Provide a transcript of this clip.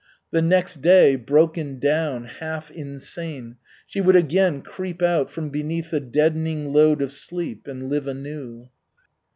The next day, broken down, half insane, she would again creep out from beneath the deadening load of sleep and live anew.